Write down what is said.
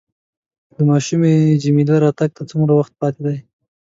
د ماشومې جميله راتګ ته څومره وخت پاتې دی؟